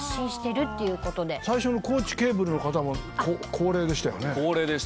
最初の高知ケーブルの方も高齢でしたよね。